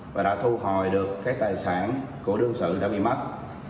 và đã thu hồi được các tài sản của đơn sự đã bị mất